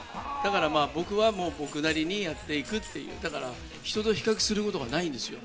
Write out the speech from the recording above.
僕は僕なりにやっていくという、人と比較することがないんですよ。